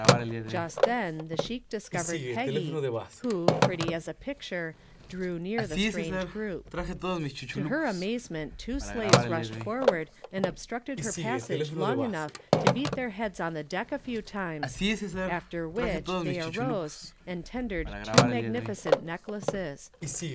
Just then the sheik discovered Peggy, who, pretty as a picture, drew near the strange group. To her amazement two slaves rushed forward and obstructed her passage long enough to beat their heads on the deck a few times, after which they arose and tendered two magnificent necklaces.